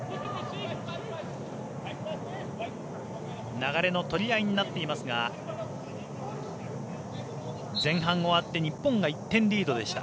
流れのとり合いになっていますが前半終わって日本が１点リードでした。